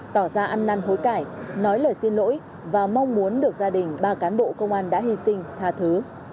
tỏ ra ăn năn hối cải nói lời xin lỗi và mong muốn được gia đình ba cán bộ công an đã hy sinh tha thứ